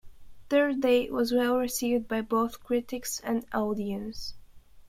"Third Day" was well received by both critics and audience.